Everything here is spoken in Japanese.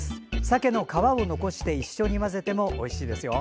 さけの皮を残して一緒に混ぜてもおいしいですよ。